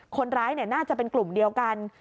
คนร้ายน่าจะเป็นกลุ่มเดียวกัน